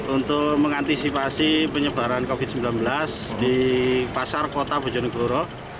untuk mengantisipasi penyebaran covid sembilan belas di pasar kota bojonegoro